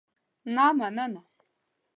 نه مننه.